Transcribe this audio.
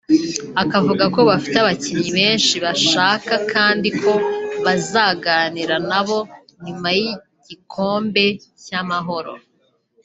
Akavuga ko bafite abakinnyi benshi bashaka kandi ko bazaganira nabo nyuma y’igikombe cy’amahoro